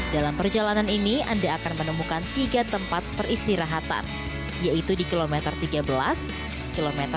dalam perjalanan ini anda akan menemukan tiga tempat peristirahatan yaitu di kilometer tiga belas kilometer empat puluh tiga dan kilometer enam puluh delapan